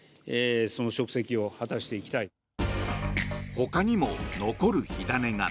ほかにも残る火種が。